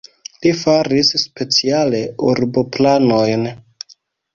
Li faris speciale urboplanojn.